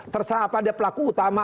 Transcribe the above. terus apa dia pelaku utama